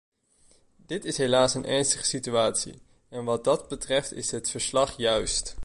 Dit is helaas een ernstige situatie, en wat dat betreft is het verslag juist.